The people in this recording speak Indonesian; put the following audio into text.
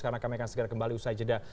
karena kami akan segera kembali usai jeda